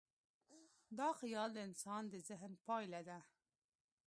دا خیال د انسان د ذهن پایله ده.